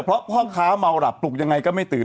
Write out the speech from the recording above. เพราะพ่อค้าเมาหลับปลุกยังไงก็ไม่ตื่น